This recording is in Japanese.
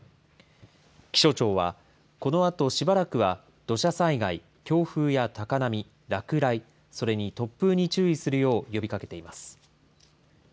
気象庁はこのあとしばらくは土砂災害、強風や高波、落雷、それに突風に注意するよう呼びかけています。